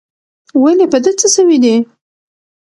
ولي په ده څه سوي دي؟